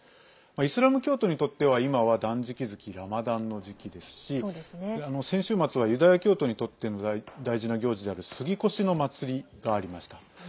イスラム教徒にとっては今は断食月ラマダンの時期ですし先週末はユダヤ教徒にとって大事な行事である過越の祭がありました。